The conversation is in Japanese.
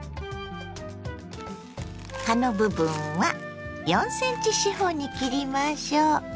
葉の部分は４ｃｍ四方に切りましょ。